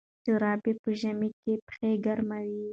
جرابې په ژمي کې پښې ګرموي.